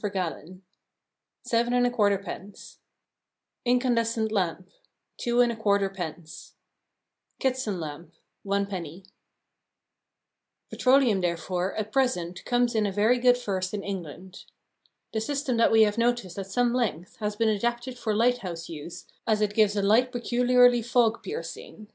per gall.), 0 7 1/4 " Incandescent lamp, 0 2 1/4 " Kitson lamp, 0 1 Petroleum, therefore, at present comes in a very good first in England. The system that we have noticed at some length has been adapted for lighthouse use, as it gives a light peculiarly fog piercing.